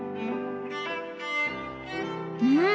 うん！